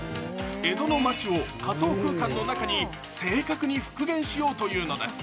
江戸の町を仮想空間の中に正確に復元しようというのです。